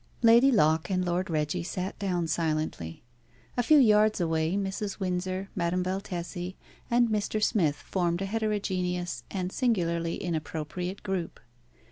Lady Locke and Lord Reggie sat down silently. A few yards away Mrs. Windsor, Madame Valtesi, and Mr. Smith formed a heterogeneous and singularly inappropriate group.